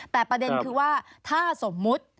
แต่ประเด็นคือว่าถ้าสมมุติ